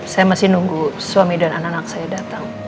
saya masih nunggu suami dan anak anak saya datang